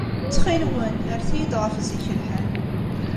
Ttxil-wen, rret-iyi-d ɣef zik lḥal.